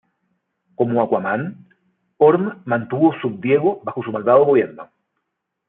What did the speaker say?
Como Aquaman, Orm mantuvo Sub Diego bajo su malvado gobierno.